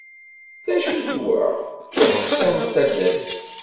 D acu-t wa? D tuqqsa n tadast.